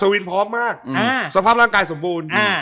นี่ไงอ่าพร้อมมากอ่าสภาพร่างกายสมบูรณ์อ่า